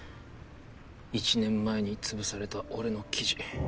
１年前に潰された俺の記事。